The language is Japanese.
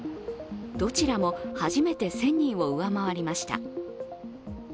どちらも初めて１０００人を上回りました。